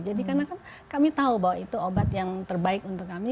jadi karena kami tahu bahwa itu obat yang terbaik untuk kami